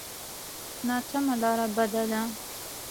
ناسمه لاره بده ده.